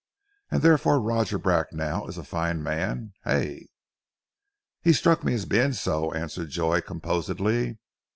"And therefore Roger Bracknell is a fine man, hey?" "He struck me as being so!" answered Joy composedly.